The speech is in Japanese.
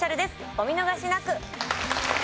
お見逃しなく。